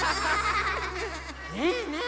ねえねえ